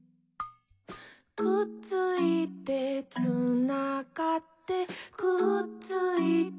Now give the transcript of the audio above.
「くっついて」「つながって」「くっついて」